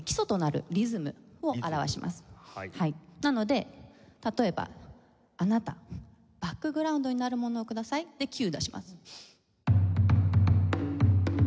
なので例えば「あなたバックグラウンドになるものをください」。でキュー出します。